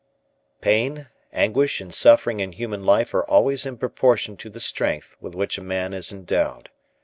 Pain, anguish, and suffering in human life are always in proportion to the strength with which a man is endowed.